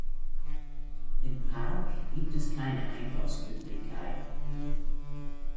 Im Park gibt es keine Einkaufsmöglichkeiten.